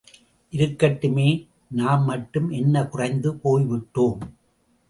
இருக்கட்டுமே, நாம் மட்டும் என்ன குறைந்து போய்விட்டோம்?